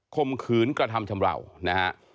คมขืนกระทำชำราวนะครับ